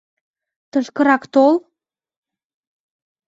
Тышкырак тол!